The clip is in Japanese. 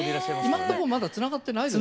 今んとこまだつながってないです。